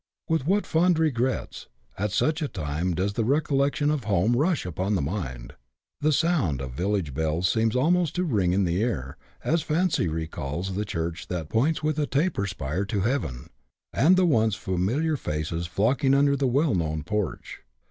With what fond regrets, at such a time, does the re collection of home rush upon the mind ! The sound of the village bells seems almost to ring in the ear, as fancy recalls the church that " points with taper spire to heaven," and the once familiar faces flocking under the well known porch.